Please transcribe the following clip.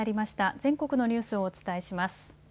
全国のニュースをお伝えします。